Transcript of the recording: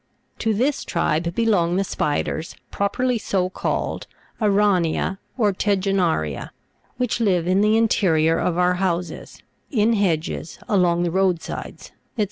24. To this tribe belong the spiders, properly so colled (Ara'nea, or Tegena'ria}, which live in the interior of our hcnses, in hedges, along the road sides, &c.